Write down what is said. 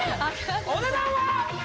お値段は？